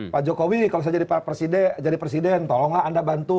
pak jokowi kalau saya jadi presiden tolonglah anda bantu